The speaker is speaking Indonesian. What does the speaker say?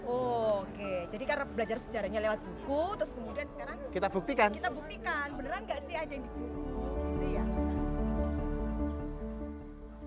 oke jadi karena belajar sejarahnya lewat buku terus kemudian sekarang kita buktikan